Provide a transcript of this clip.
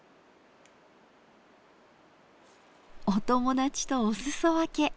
お友達とお裾分け。